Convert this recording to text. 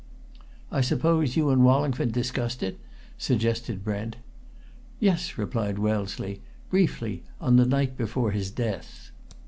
"I suppose you and Wallingford discussed it?" suggested Brent. "Yes," replied Wellesley. "Briefly, on the night before his death."